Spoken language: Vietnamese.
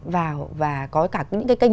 vào và có cả những cái kênh